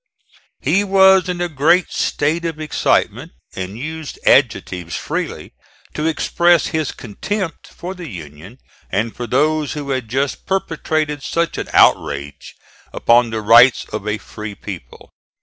He was in a great state of excitement and used adjectives freely to express his contempt for the Union and for those who had just perpetrated such an outrage upon the rights of a free people.